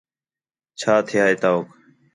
چھا تھیا ہِے تَؤک؟